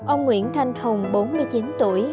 ông nguyễn thanh hùng bốn mươi chín tuổi